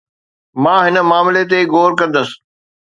مان هن معاملي تي غور ڪندس